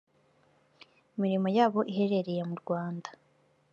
imirimo yabo iherereye mu rwanda